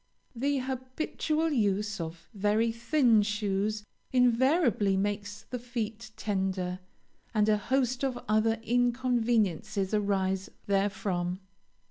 The habitual use of very thin shoes invariably makes the feet tender, and a host of other inconveniences arise therefrom.